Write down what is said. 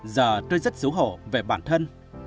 giờ tôi rất xấu hổ về bản thân